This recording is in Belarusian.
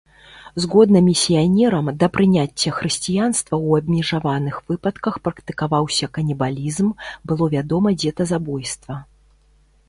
Згодна місіянерам, да прыняцця хрысціянства ў абмежаваных выпадках практыкаваўся канібалізм, было вядома дзетазабойства.